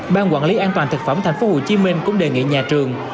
ban quản lý an toàn thực phẩm tp hcm cũng đề nghị nhà trường